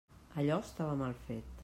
Allò estava mal fet.